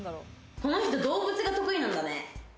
この人、動物が得意なんだね。